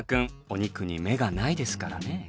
お肉に目がないですからね。